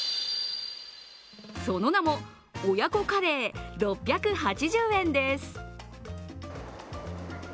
その名も、親子カレー６８０円です。